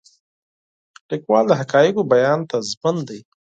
لیکوال د حقایقو بیان ته ژمن دی.